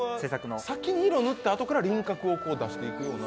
これは先に色を塗ってあとから輪郭を出していくような。